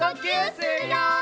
するよ！